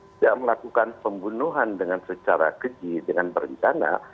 tidak melakukan pembunuhan dengan secara keji dengan berencana